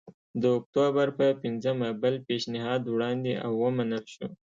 د اکتوبر په پنځمه بل پېشنهاد وړاندې او ومنل شو